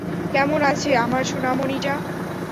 কেমন আছে আমার সোনামণিটা?